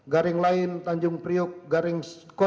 garing layan tanjung priuk garing satu ratus tujuh puluh sembilan